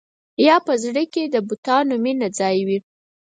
یا په زړه کې د بتانو مینه ځای وي.